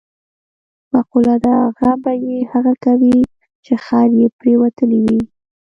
مقوله ده: غم به یې هغه کوي، چې خر یې پرېوتلی وي.